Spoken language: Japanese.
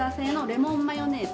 レモンマヨネーズ。